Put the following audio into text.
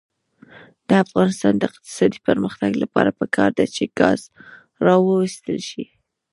د افغانستان د اقتصادي پرمختګ لپاره پکار ده چې ګاز راوویستل شي.